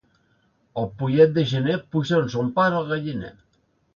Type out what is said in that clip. El pollet de gener puja amb son pare al galliner.